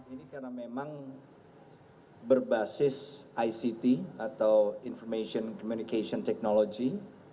ini karena memang berbasis ict atau information communication technology